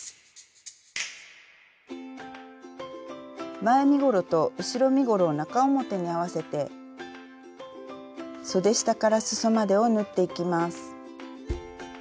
前身ごろと後ろ身ごろを中表に合わせてそで下からすそまでを縫っていきます。